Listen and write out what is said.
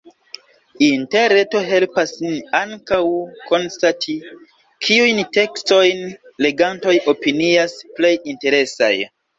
Interreto helpas nin ankaŭ konstati, kiujn tekstojn legantoj opinias plej interesaj.